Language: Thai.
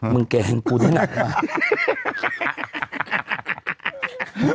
มึงแกงกูที่หนักมา